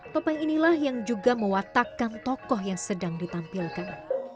topeng inilah yang juga mewatakkan tokoh yang sedang ditampilkan